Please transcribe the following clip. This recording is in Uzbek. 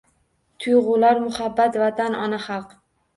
Tuyg’ular – muhabbat, Vatan, ona xalq